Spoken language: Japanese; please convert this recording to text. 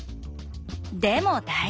でも大丈夫。